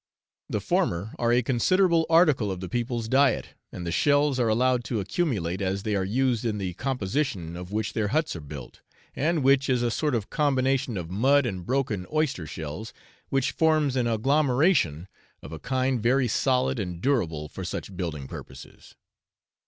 The former are a considerable article of the people's diet, and the shells are allowed to accumulate, as they are used in the composition of which their huts are built, and which is a sort of combination of mud and broken oyster shells, which forms an agglomeration of a kind very solid and durable for such building purposes.